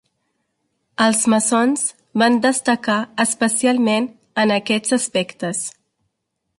Els maçons van destacar especialment en aquests aspectes.